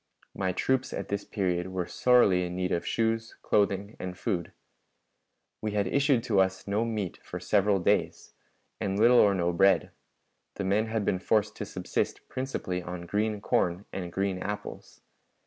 My troops at this period were sorely in need of shoes, clothing, and food. We had had issued to us no meat for several days, and little or no bread; the men had been forced to subsist principally on green corn and green apples.